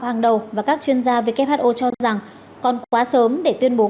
hàng đầu và các chuyên gia who cho rằng còn quá sớm để tuyên bố